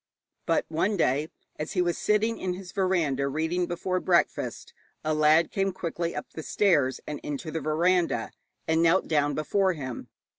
But one day, as he was sitting in his veranda reading before breakfast, a lad came quickly up the stairs and into the veranda, and knelt down before him.